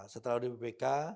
setelah auditur dari bpk